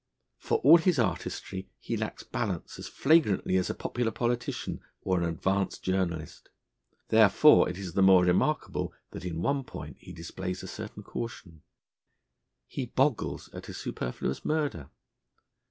For all his artistry, he lacks balance as flagrantly as a popular politician or an advanced journalist. Therefore it is the more remarkable that in one point he displays a certain caution: he boggles at a superfluous murder.